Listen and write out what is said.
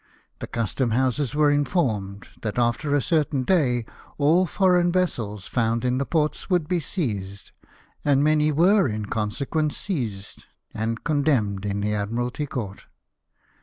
The Custom houses were informed, that after a certain day all foreign vessels found in the ports would be seized ; and many were in consequence seized, and condemned in the Admiralty Court.